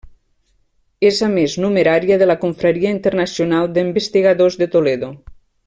És, a més, Numerària de la Confraria Internacional d'Investigadors de Toledo.